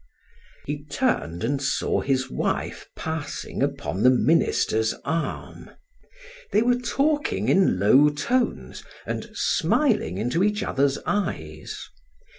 He turned and saw his wife passing upon the minister's arm. They were talking in low tones and smiling into each other's eyes.